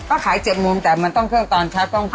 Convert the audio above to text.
ก็ขาย๗มุมแต่มันต้องเครื่องตอนเช้า